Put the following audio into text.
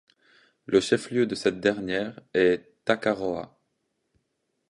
Le chef-lieu de cette dernière est Takaroa.